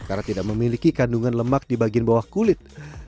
karena tidak memiliki kandungan lemak di bagian bawah kulit